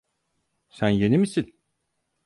Sen yeni misin?